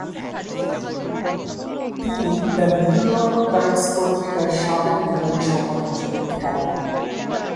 তিনি the New York Times পত্রিকার সাবেক নির্বাহী সম্পাদক হিসেবে খ্যাত।